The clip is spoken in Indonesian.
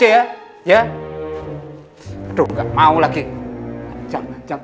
nair lebih baik kamu pulang dari negeri jin